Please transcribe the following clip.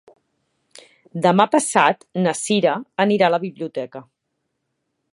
Demà passat na Sira anirà a la biblioteca.